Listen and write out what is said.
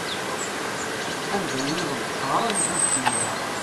Anda-nniḍen, ɣran ddabex n uḍar.